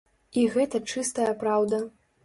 І гэта чыстая праўда.